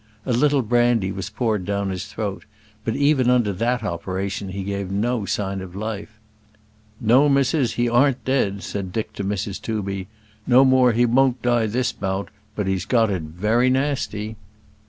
A little brandy was poured down his throat, but even under that operation he gave no sign of life. "No, missis, he aren't dead," said Dick to Mrs. Tooby; "no more he won't die this bout; but he's got it very nasty."